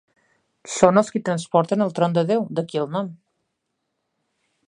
Són els qui transporten el Tron de Déu, d'aquí el nom.